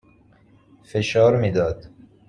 فشار می داد